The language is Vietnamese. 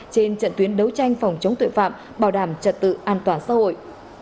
trên trận tuyến đấu tranh phòng chống tội phạm bảo đảm trật tự an toàn xã hội